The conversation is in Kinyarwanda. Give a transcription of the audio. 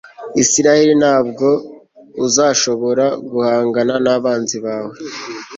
israheli; nta bwo uzashobora guhangana n'abanzi bawe